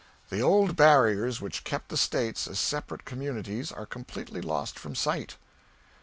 "... The old barriers which kept the States as separate communities are completely lost from sight."